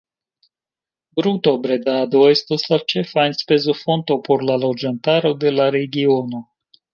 Brutobredado estas la ĉefa enspezofonto por la loĝantaro de la regiono.